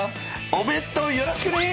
おべん当よろしくね！